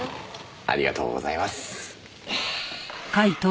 ありがとうございます。